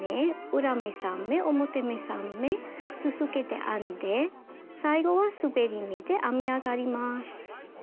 裏目３目表目３目続けて編んで最後はすべり目で編み上がります。